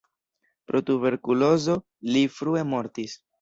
Pro tuberkulozo li frue mortis.